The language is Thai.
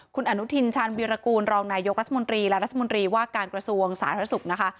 คุณอนุทินชาญวิรากูลรองนายกรัฐมนตรีและรัฐมนตรีว่าการกระทรวงสาธารณสุขนะคะ